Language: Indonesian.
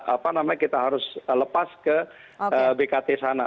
apa namanya kita harus lepas ke bkt sana